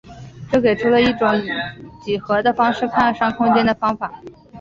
这给出了以一种几何的方式看商空间的方法。